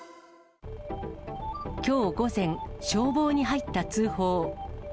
きょう午前、消防に入った通報。